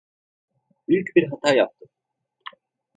Büyük bir hata yaptım.